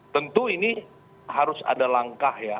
tentu ini harus ada langkah ya